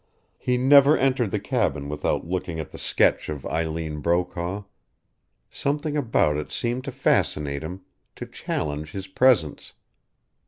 He never entered the cabin without looking at the sketch of Eileen Brokaw. Something about it seemed to fascinate him, to challenge his presence.